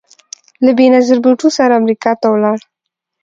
له بېنظیر بوټو سره امریکا ته ولاړ